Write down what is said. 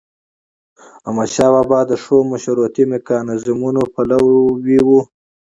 احمدشاه بابا د ښو مشورتي میکانیزمونو پلوي و.